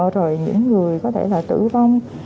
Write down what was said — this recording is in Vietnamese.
rồi những người có thể là tử vong